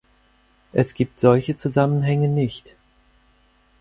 Es gibt solche Zusammenhänge nicht.